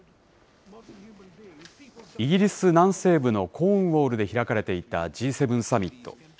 イギリス南西部のコーンウォールで開かれていたＧ７サミット。